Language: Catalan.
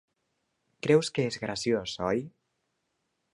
Creus que és graciós, oi?